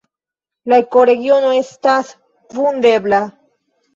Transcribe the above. La ekoregiono estas vundebla.